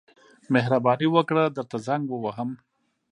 مهرباني وکړه درته زنګ ووهم.